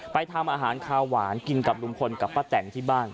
ทำอาหารคาวหวานกินกับลุงพลกับป้าแต่งที่บ้าน